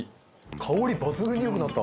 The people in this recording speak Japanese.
香り抜群に良くなった。